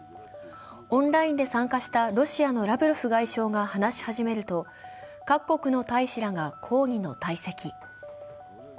オンラインで参加したロシアのラブロフ外相が話し始めると各国の大使らが抗議の退席。